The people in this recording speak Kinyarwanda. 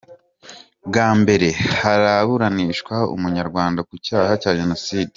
Bwa mbere haraburanishishwa Umunyarwanda ku cyaha cya Jenoside